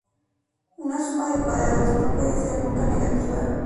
Una suma de cuadrados no puede ser nunca negativa.